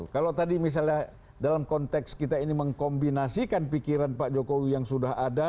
kalau tadi misalnya dalam konteks kita ini mengkombinasikan pikiran pak jokowi yang sudah ada